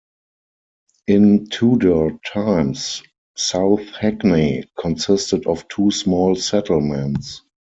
In Tudor times, South Hackney consisted of two small settlements.